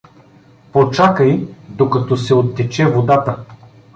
— Почакай, докато се оттече водата.